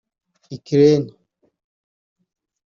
Ukraine